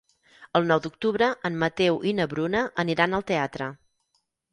El nou d'octubre en Mateu i na Bruna aniran al teatre.